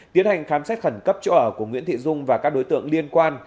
tiến hành khám xét khẩn cấp chỗ ở của nguyễn thị dung và các đối tượng liên quan